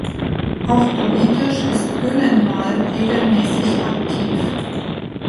Auch politisch ist Gyllenhaal regelmäßig aktiv.